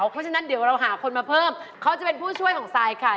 เพราะฉะนั้นเดี๋ยวเราหาคนมาเพิ่มเขาจะเป็นผู้ช่วยของซายค่ะ